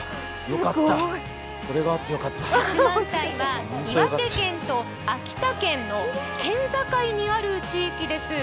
八幡平は岩手県と秋田県の県境にある地域です。